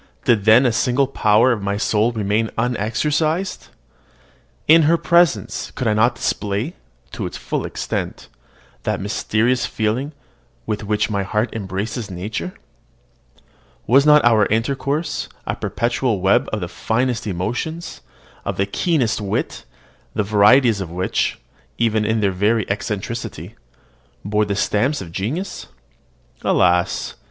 did then a single power of my soul remain unexercised? In her presence could I not display, to its full extent, that mysterious feeling with which my heart embraces nature? Was not our intercourse a perpetual web of the finest emotions, of the keenest wit, the varieties of which, even in their very eccentricity, bore the stamp of genius? Alas!